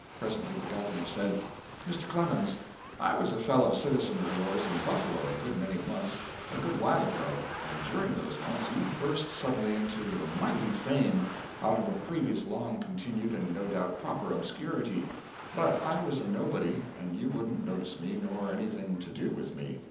Presently the Governor said: "Mr. Clemens, I was a fellow citizen of yours in Buffalo a good many months, a good while ago, and during those months you burst suddenly into a mighty fame, out of a previous long continued and no doubt proper obscurity but I was a nobody, and you wouldn't notice me nor have anything to do with me.